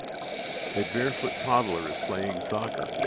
A barefoot toddler is playing soccer.